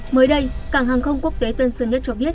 mới đây cảng hàng không quốc tế tân sơn nhất cho biết